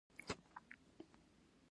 ما ته د چين د ښاپېرو خبرې څه له کوې